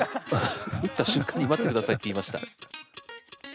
打った瞬間に「待ってください」って言いました。